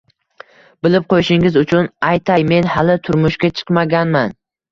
Bilib qo`yishingiz uchun aytay, men hali turmushga chiqmaganman